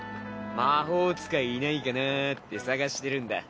魔法使いいないかなって捜してるんだ。